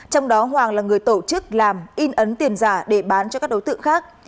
trong đó hoàng là người tổ chức làm in ấn tiền giả để bán cho các đối tượng khác